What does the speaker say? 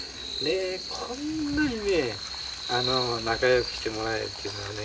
こんなにね、仲良くしてもらえるっていうのはね